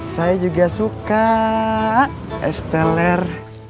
saya juga suka esteler